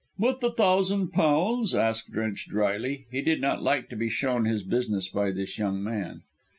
"With the thousand pounds?" asked Drench drily. He did not like to be shown his business by this young man.